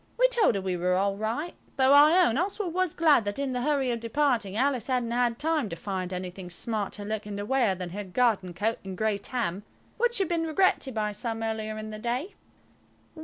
We told her we were all right, though I own Oswald was glad that in the hurry of departing Alice hadn't had time to find anything smarter looking to wear than her garden coat and grey Tam, which had been regretted by some earlier in the day.